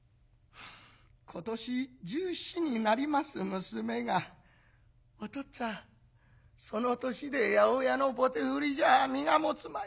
今年１４になります娘が『お父っつぁんその年で八百屋の棒手振りじゃ身が持つまい。